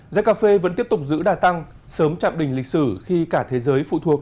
giá cà phê vẫn tiếp tục giữ đà tăng sớm chạm đỉnh lịch sử khi cả thế giới phụ thuộc